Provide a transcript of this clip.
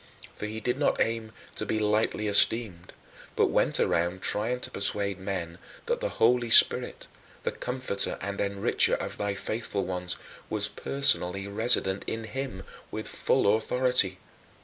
For he did not aim to be lightly esteemed, but went around trying to persuade men that the Holy Spirit, the Comforter and Enricher of thy faithful ones, was personally resident in him with full authority.